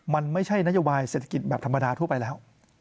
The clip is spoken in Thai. มันไม่ใช่นโยบายเศรษฐกิจแบบธรรมดาทั่วไปแล้ว